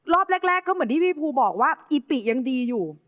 รอบแรกก็เหมือนที่พี่ภูบอกว่าอิปิยังดีอยู่